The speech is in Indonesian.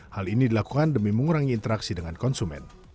hal ini dilakukan demi mengurangi interaksi dengan konsumen